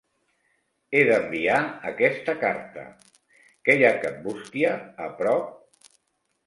He d'enviar aquesta carta. Que hi ha cap bústia a prop?